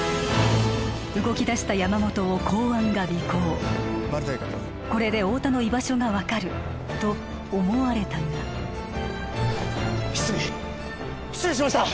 動きだした山本を公安が尾行これで太田の居場所が分かると思われたが失尾失尾しました！